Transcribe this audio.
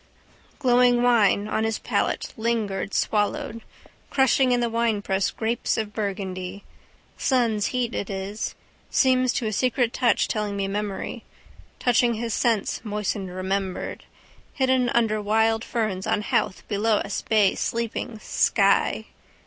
Glowing wine on his palate lingered swallowed. Crushing in the winepress grapes of Burgundy. Sun's heat it is. Seems to a secret touch telling me memory. Touched his sense moistened remembered. Hidden under wild ferns on Howth below us bay sleeping: sky.